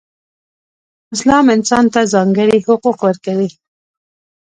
اسلام انسان ته ځانګړې حقوق ورکړئ.